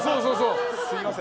すみません。